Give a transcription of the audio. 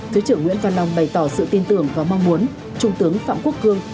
thứ trưởng nguyễn văn long bày tỏ sự tin tưởng và mong muốn trung tướng phạm quốc cương